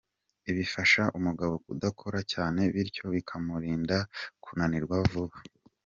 Ibi bifasha umugabo kudakora cyane bityo bikamurinda kunanirwa vuba.